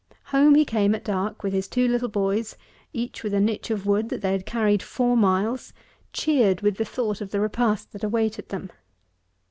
Home he came at dark with his two little boys, each with a nitch of wood that they had carried four miles, cheered with the thought of the repast that awaited them.